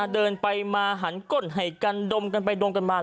เดินไปมาหันก้นให้กันดมกันไปดมกันมา